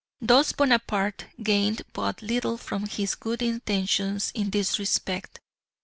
Thus Bonaparte gained but little from his good intentions in this respect.